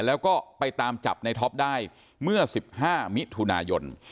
แล้วก็ไปตามจับในท็อปได้เมื่อ๑๕มิถุนายน